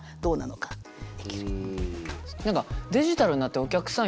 何かデジタルになってお客さん